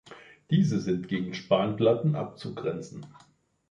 Diese sind gegen Spanplatten abzugrenzen.